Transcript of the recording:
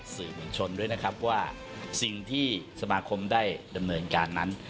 สื่อมวลชนด้วยนะครับว่าสิ่งที่สมาคมได้ดำเนินการนั้น